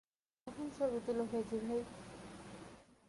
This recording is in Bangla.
এখন তুলো ছবি, ফেজি ভাই।